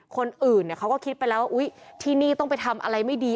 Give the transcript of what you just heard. คนอื่นเขาก็คิดไปแล้วว่าอุ๊ยที่นี่ต้องไปทำอะไรไม่ดี